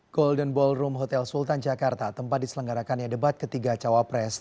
golden ballroom hotel sultan jakarta tempat diselenggarakannya debat ketiga cawapres